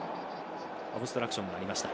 オブストラクションがありました。